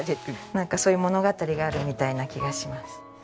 なんかそういう物語があるみたいな気がします。